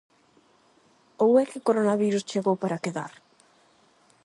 Ou é que o coronavirus chegou para quedar?